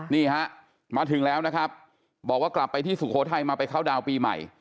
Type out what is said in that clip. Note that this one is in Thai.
นี่ฮะมาถึงแล้วนะครับบอกว่ากลับไปที่สุโขทัยมาไปเข้าดาวน์ปีใหม่